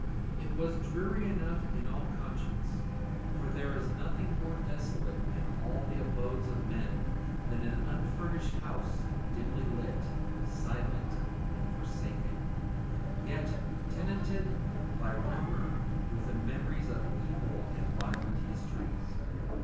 And it was dreary enough in all conscience, for there is nothing more desolate in all the abodes of men than an unfurnished house dimly lit, silent, and forsaken, and yet tenanted by rumour with the memories of evil and violent histories.